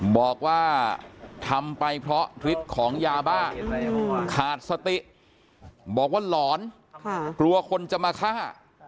บอกว่าทำไปเพราะฤทธิ์ของยาบ้าขาดสติบอกว่าหลอนกลัวคนจะมาฆ่า